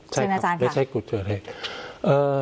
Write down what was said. ใช่ครับไม่ใช่จุดเกิดเหตุ